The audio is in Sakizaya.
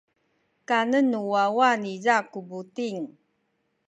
kanen nu wawa niza ku buting.